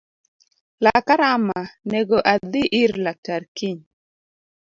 Laka rama nego adhii ir laktar kiny